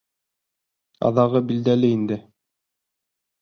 Аҙағы билдәле инде...